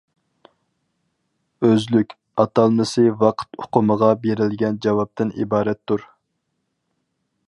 «ئۆزلۈك» ئاتالمىسى ۋاقىت ئۇقۇمىغا بېرىلگەن جاۋابتىن ئىبارەتتۇر.